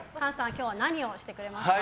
今日は何をしてくれますか？